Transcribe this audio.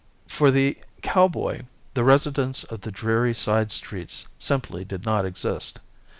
For the cowboy, the residents of the dreary side streets simply did not exist.